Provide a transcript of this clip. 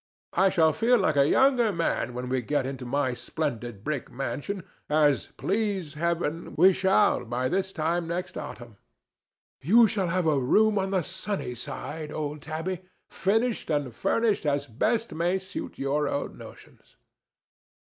I shall feel like a younger man when we get into my splendid brick mansion, as, please Heaven, we shall by this time next autumn. You shall have a room on the sunny side, old Tabby, finished and furnished as best may suit your own notions."